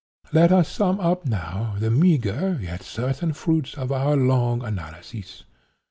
"Let us sum up now the meagre yet certain fruits of our long analysis.